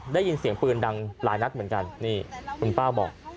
ได้ยินเสียงปืนดังหลายนัดเหมือนกันนี่คุณป้าบอก